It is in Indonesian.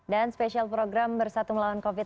dan spesial program bersatu melawan covid sembilan belas